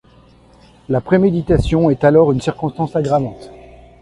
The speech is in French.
La préméditation est alors une circonstance aggravante.